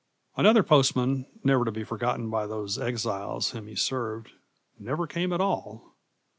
Another postman, never to be forgotten by those exiles whom he served, never came at all.